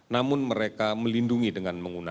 namun mereka melindungi dengan menjaga jarak